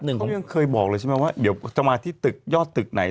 เขาก็ไม่เคยบอกหรือใช่มั้ยว่าเดี๋ยวจะมาจนที่ตึกยอดตึกไหน